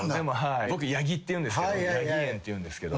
僕八木っていうんですけどＹａｇｉｅｎっていうんですけど。